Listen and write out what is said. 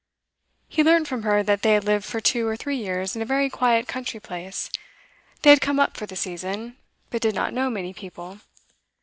He learnt from her that they had lived for two or three years in a very quiet country place; they had come up for the season, but did not know many people.